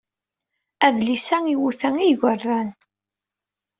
Adlis-a iwuta i yigerdan.